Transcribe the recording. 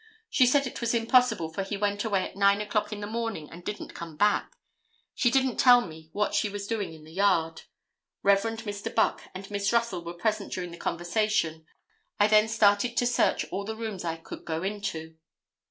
She said it was impossible, for he went away at 9 o'clock in the morning and didn't come back. She didn't tell me what she was doing in the yard. Rev. Mr. Buck and Miss Russell were present during the conversation. I then started to search all the rooms I could go into."